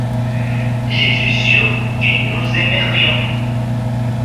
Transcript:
je suis sûr que nous aimerions.